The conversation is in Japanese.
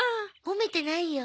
褒めてないよ。